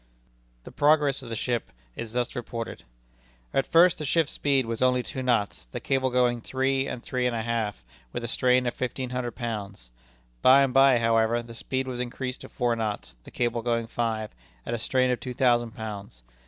The progress of the English ship is thus reported: "At first, the ship's speed was only two knots, the cable going three and three and a half, with a strain of fifteen hundred pounds. By and by, however, the speed was increased to four knots, the cable going five, at a strain of two thousand pounds.